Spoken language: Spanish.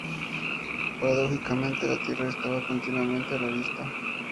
Paradójicamente, la tierra estaba continuamente a la vista.